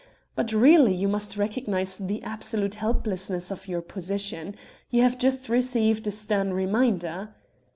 But really you must recognize the absolute helplessness of your position. You have just received a stern reminder.